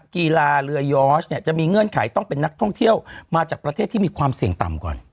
กีฬาเรือยอร์ชเนี่ยจะมีเงื่อนไขต้องเป็นนักท่องเที่ยวมาจากประเทศที่มีความเสี่ยงต่ำก่อน